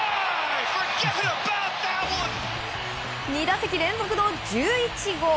２打席連続の１１号。